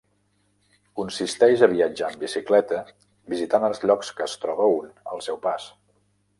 Consisteix a viatjar en bicicleta visitant els llocs que es troba un al seu pas.